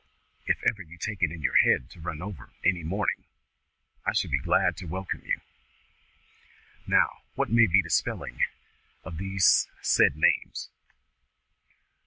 If ever you take it in your head to run over any morning, I shall be glad to welcome you. Now, what may be the spelling of these said names?"